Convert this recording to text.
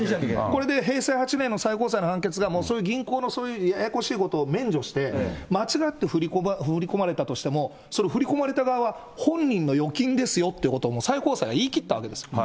これで平成８年の最高裁の判決が、そういう銀行の、そういうややこしいことを免除して、間違って振り込まれたとしても、それ、振り込まれた側は本人の預金ですよっていうことを、最高裁は言い切ったわけです。